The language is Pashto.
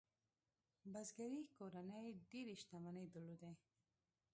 بزګري کورنۍ ډېرې شتمنۍ درلودې.